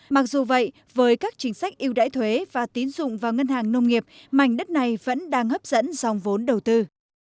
mặc dù vậy với các chính sách yêu đãi thuế và tín dụng vào ngân hàng nông nghiệp mảnh đất này vẫn đang hấp dẫn dòng vốn đầu tư